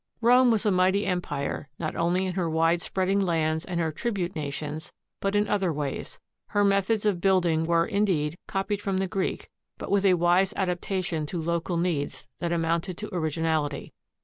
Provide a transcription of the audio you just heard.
Rome was a mighty em pire, not only in her wide spreading lands and her tribute nations, but in other ways. Her methods of building were, indeed, copied from the Greek, but with a wise adaptation to local needs that amounted to originality.